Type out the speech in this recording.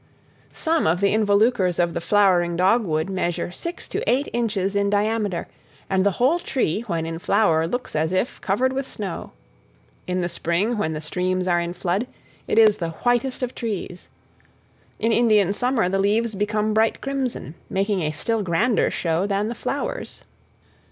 Some of the involucres of the flowering dogwood measure six to eight inches in diameter, and the whole tree when in flower looks as if covered with snow. In the spring when the streams are in flood it is the whitest of trees. In Indian summer the leaves become bright crimson, making a still grander show than the flowers.